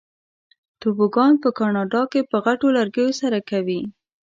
توبوګان په کاناډا کې په غټو لرګیو سره کوي.